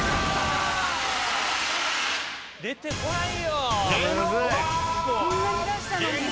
出てこないよ！